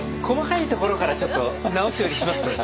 細かいところからちょっと直すようにします。